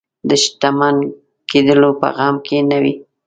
د شتمن کېدلو په غم کې نه وي.